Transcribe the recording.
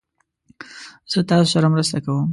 زه تاسو سره مرسته کوم